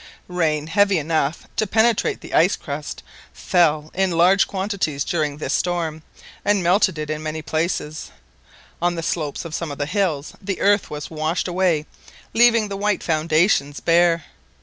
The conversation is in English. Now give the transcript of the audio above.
Rain heavy enough to penetrate to the ice crust fell in large quantities during this storm, and melted it in many places. On the slopes of some of the hills the earth was washed away, leaving the white foundations bare.